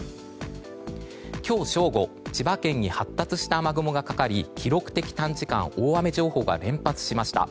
今日正午千葉県に発達した雨雲がかかり記録的短時間大雨情報が連発しました。